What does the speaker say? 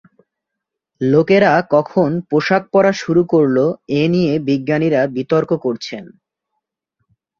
লোকেরা কখন পোশাক পরা শুরু করলো এ নিয়ে বিজ্ঞানীরা বিতর্ক করছেন।